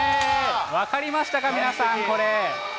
分かりましたか、皆さん、これ。